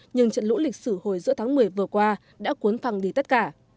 nhưng trận lũ lịch sử hồi giữa tháng một mươi vừa qua đã cuốn phăng đi tất cả